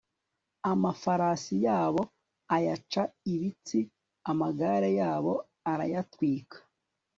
amafarasi yabo ayaca ibitsi, amagare yabo arayatwika